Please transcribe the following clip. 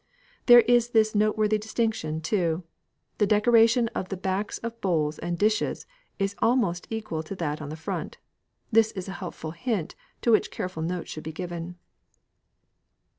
There is this noteworthy distinction, too, the decoration on the backs of bowls and dishes is almost equal to that on the front. This is a helpful hint, to which careful note should be given.